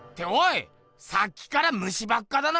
さっきから虫ばっかだな！